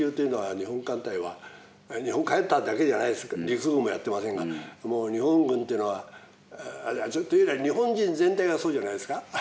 日本艦隊だけじゃないですけど陸軍もやってませんがもう日本軍というのは。というよりは日本人全体がそうじゃないですか。